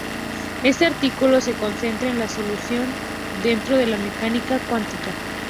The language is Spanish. Este artículo se concentra en la solución dentro de la mecánica cuántica.